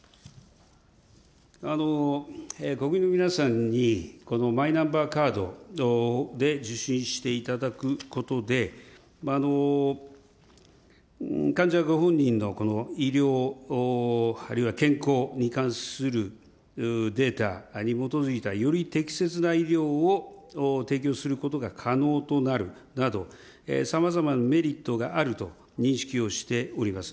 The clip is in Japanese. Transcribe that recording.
国民の皆さんにマイナンバーカードで受診していただくことで、患者ご本人の医療、あるいは健康に関するデータに基づいたより適切な医療を提供することが可能となるなど、さまざまなメリットがあると認識をしております。